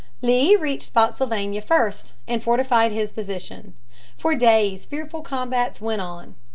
Lee reached Spotsylvania first and fortified his position. For days fearful combats went on.